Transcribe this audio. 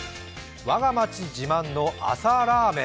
「我が街自慢の朝ラーメン」。